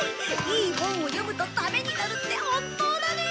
いい本を読むとためになるって本当だね！